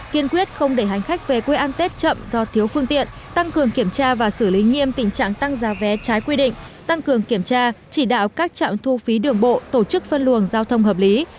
kiên quyết không để hành khách về quê an tết chậm do thiếu phương tiện tăng cường kiểm tra và xử lý nghiêm tình trạng tăng giá vé trái quy định tăng cường kiểm tra chỉ đạo các trạm thu phí đường bộ tổ chức phân luồng giao thông hợp lý